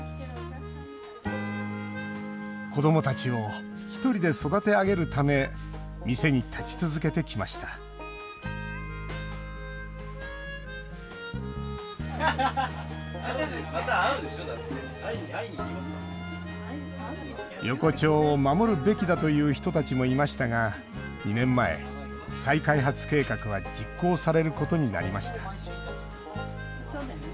子どもたちを１人で育て上げるため店に立ち続けてきました横丁を守るべきだという人たちもいましたが２年前、再開発計画は実行されることになりました